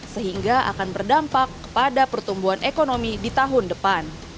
sehingga akan berdampak kepada pertumbuhan ekonomi di tahun depan